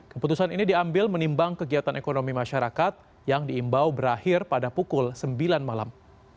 keputusan ini diambil menimbang kegiatan ekonomi masyarakat yang diimbau berakhir pada pukul sembilan malam